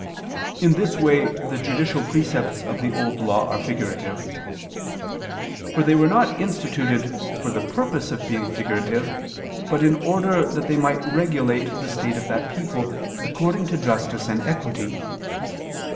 In this way the judicial precepts of the Old Law are figurative. For they were not instituted for the purpose of being figurative, but in order that they might regulate the state of that people according to justice and equity.